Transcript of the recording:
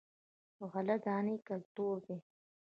غله دانه کلتور دی.